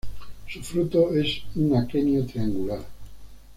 Su fruto es un aquenio triangular.